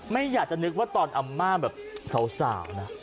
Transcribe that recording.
ไม่อยากจะนึกว่าตอนอาม่าแบบสาวนะ